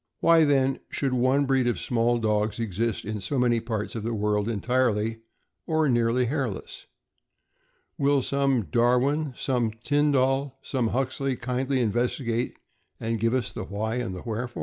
Why, then, should one breed of small dogs exist in so many parts of the world entirely or nearly hairless? Will some Darwin, some Tyndall, or some Huxley kindly investigate and give us the why and the wherefore?